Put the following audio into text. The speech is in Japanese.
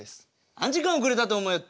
何時間遅れたと思いよって！